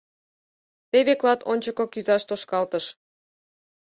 Теве клат ончыко кӱзаш тошкалтыш...